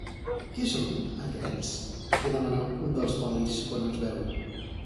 Qui són, aquests? —li demana un dels polis quan ens veu.